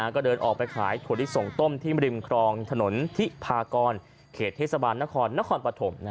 ก็เดินออกไปขายถั่วลิสงต้มที่ริมครองถนนทิพากรเขตเทศบาลนครนครปฐม